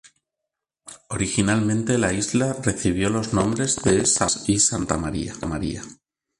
Originalmente la isla recibió los nombres de "São Tomás" y "Santa Maria".